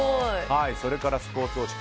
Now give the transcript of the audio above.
それから、スポーツ報知。